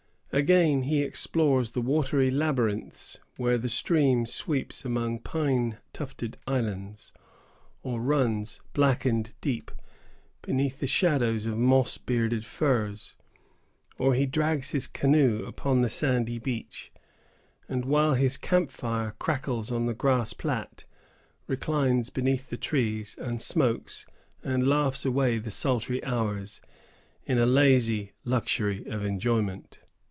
Again, he explores the watery labyrinths where the stream sweeps among pine tufted islands, or runs, black and deep, beneath the shadows of moss bearded firs; or he drags his canoe upon the sandy beach, and, while his camp fire crackles on the grass plat, reclines beneath the trees, and smokes and laughs away the sultry hours, in a lazy luxury of enjoyment.